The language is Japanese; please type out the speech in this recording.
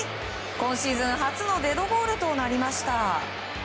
今シーズン初のデッドボールとなりました。